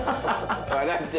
笑ってる。